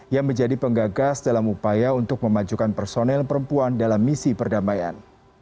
yang menjadi penggagas dalam upaya untuk memajukan personel perempuan dalam misi perdamaian